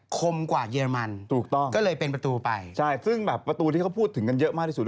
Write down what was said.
คมกว่าเยอรมันถูกต้องก็เลยเป็นประตูไปใช่ซึ่งแบบประตูที่เขาพูดถึงกันเยอะมากที่สุด